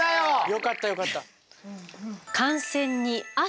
よかったよかった。